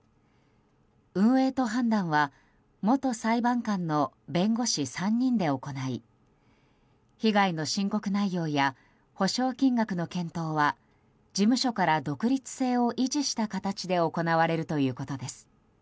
運営と判断は元裁判官の弁護士３人で行い被害の申告内容や補償金額の検討は事務所から独立性を維持した形で行われるということです。